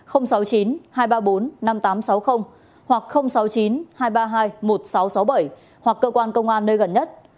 sáu mươi chín hai trăm ba mươi bốn năm nghìn tám trăm sáu mươi hoặc sáu mươi chín hai trăm ba mươi hai một nghìn sáu trăm sáu mươi bảy hoặc cơ quan công an nơi gần nhất